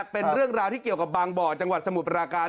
เป็นเรื่องราวที่เกี่ยวกับบางบ่อจังหวัดสมุทรปราการ